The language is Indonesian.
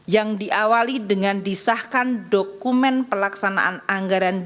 yang diawali dengan disahkan dokumen pelaksanaan anggaran